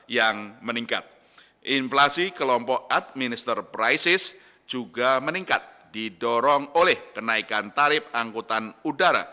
yang meningkat inflasi kelompok administer crisis juga meningkat didorong oleh kenaikan tarif angkutan udara